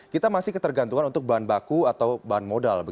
kita masih ketergantungan untuk bahan baku atau bahan modal